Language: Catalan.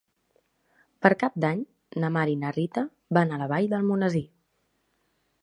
Per Cap d'Any na Mar i na Rita van a la Vall d'Almonesir.